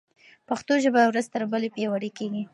پښتو ژبه ورځ تر بلې پیاوړې کېږي.